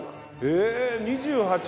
ええ２８！